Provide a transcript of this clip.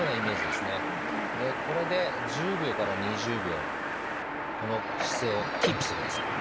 でこれで１０秒から２０秒この姿勢をキープしてください。